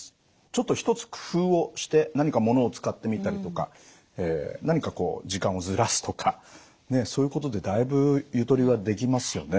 ちょっと一つ工夫をして何かものを使ってみたりとか何かこう時間をずらすとかそういうことでだいぶゆとりができますよね